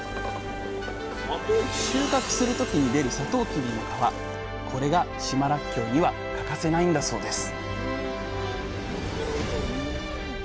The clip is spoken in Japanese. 収穫する時に出るこれが島らっきょうには欠かせないんだそうです